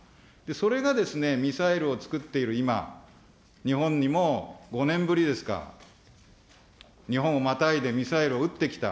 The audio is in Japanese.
それがミサイルを作っている今、日本にも５年ぶりですか、日本をまたいでミサイルを撃ってきた、